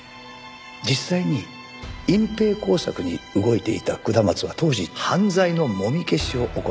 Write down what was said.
実際に隠蔽工作に動いていた下松は当時犯罪のもみ消しを行っていた。